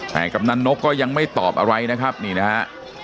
แต่กำนันนกก็ยังไม่ตอบอะไรนะครับนี่นะฮะ